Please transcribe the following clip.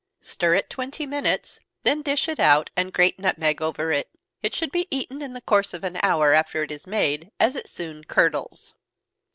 Stir it twenty minutes, then dish it out, and grate nutmeg over it. It should be eaten in the course of an hour after it is made, as it soon curdles.